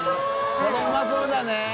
これうまそうだね。